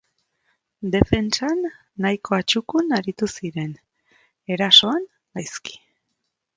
Defentsan nahikoa txukun aritu ziren, erasoan gaizki.